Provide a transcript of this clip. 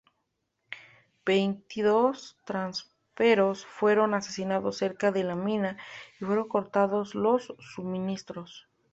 Veintidós tramperos fueron asesinados cerca de la mina y fueron cortados los suministros.